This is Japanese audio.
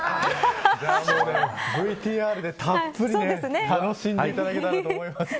ＶＴＲでたっぷり楽しんでいただけたらと思います。